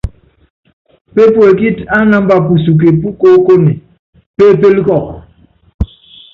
Pépuekíti ánámba pusuke púkoókone, pépélé kɔɔku.